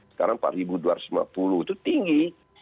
sekarang empat ribu dua ratus lima puluh itu tinggi